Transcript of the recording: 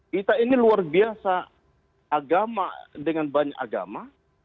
kita ini luar biasa agama dengan banyak agama